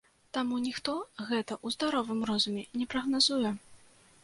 Таму ніхто гэта ў здаровым розуме не прагназуе.